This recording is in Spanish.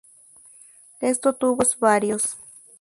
Esto tuvo efectos varios.